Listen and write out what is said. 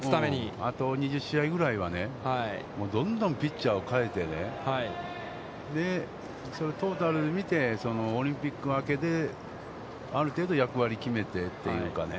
あと２０試合ぐらいはね、もう、どんどんピッチャーを代えて、それでトータルで見てオリンピック明けで、ある程度、役割を決めてというかね。